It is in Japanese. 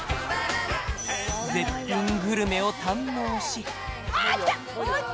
絶品グルメを堪能しああ来た！